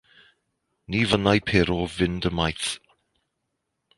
Ni fynnai Pero fynd ymaith.